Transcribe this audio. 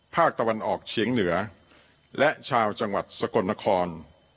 ภาคตะวันออกเฉียงเหนือและชาวจังหวัดสกลนคร